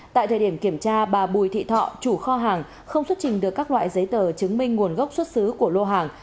tại thời điểm kiểm tra bà bùi thị thọ chủ kho hàng không xuất trình được các loại giấy tờ chứng minh nguồn gốc xuất xứ của lô hàng